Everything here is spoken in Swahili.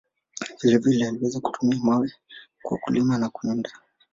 Vile vile, aliweza kutumia mawe kwa kulima na kuwinda.